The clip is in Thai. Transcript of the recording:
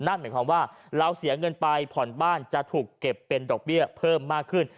นั่นหมายความว่าเราเสียเงินไปผ่อนบ้านจะถูกเก็บเป็นดอกเบี้ยเพิ่มมากขึ้น